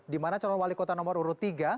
di mana calon wali kota nomor urut tiga